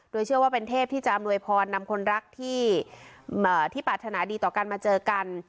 โดยเชื่อว่าเป็นเทพที่จะอำนวยพรนำคนรักที่ปรารถนาดีต่อกันมาเจอกัน